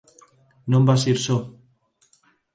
Non vas ir só.